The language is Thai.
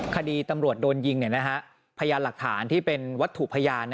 คดีตำรวจโดนยิงพยานหลักฐานที่เป็นวัตถุพยาน